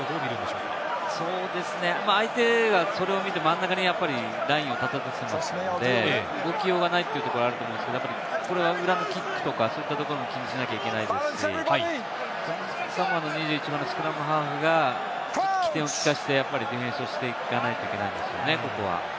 相手はそれを見て真ん中にラインを高くするので、動きようがないというのもあると思うんですけれども、裏のキックとか、そういったところも気にしなきゃいけないですしサモアの２１番のスクラムハーフが機転を利かせてディフェンスしていかないといけないですね、ここは。